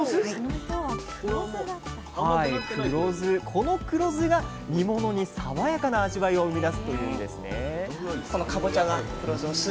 この黒酢が煮物に爽やかな味わいを生み出すというんですね